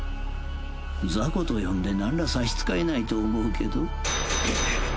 ザコと呼んでなんら差し支えないと思うけど。